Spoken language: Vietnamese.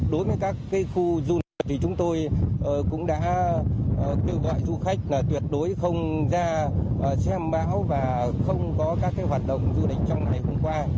đối với các khu du lịch thì chúng tôi cũng đã kêu gọi du khách là tuyệt đối không ra xem bão và không có các hoạt động du lịch trong ngày hôm qua